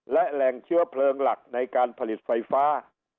และแหล่งเชื้อเพลิงหลักในการผลิตไฟฟ้า